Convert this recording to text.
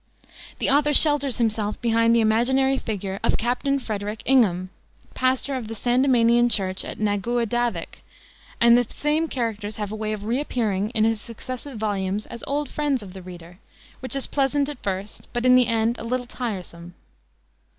The author shelters himself behind the imaginary figure of Captain Frederic Ingham, pastor of the Sandemanian Church at Naguadavick, and the same characters have a way of re appearing in his successive volumes as old friends of the reader, which is pleasant at first, but in the end a little tiresome.